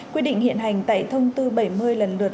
quy định hiện hành tại thông tư bảy mươi lần lượt